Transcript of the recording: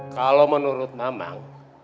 kalo menurut mak mak